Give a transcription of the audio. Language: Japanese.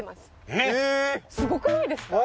すごくないですか？